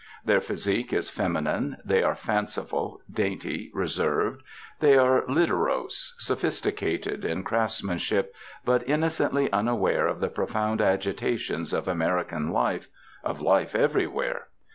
Their physique is feminine; they are fanciful, dainty, reserved; they are literose, sophisticated in craftsmanship, but innocently unaware of the profound agitations of American life, of life everywhere.